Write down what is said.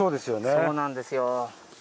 そうなんですよ。